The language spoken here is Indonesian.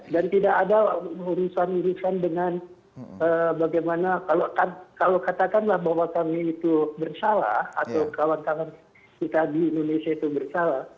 dan tidak ada urusan urusan dengan bagaimana kalau katakanlah bahwa kami itu bersalah atau kawan kawan kita di indonesia itu bersalah